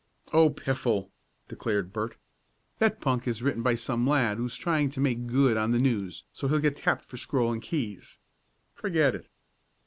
"Oh, piffle!" declared Bert. "That punk is written by some lad who's trying to make good on the News so he'll get tapped for Scroll and Keys. Forget it."